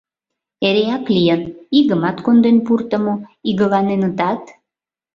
Эреак лийын: игымат конден пуртымо, игыланенытат.